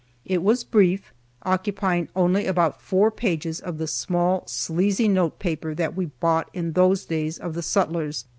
It was brief, occupying only about four pages of the small, sleazy note paper that we bought in those days of the sutlers.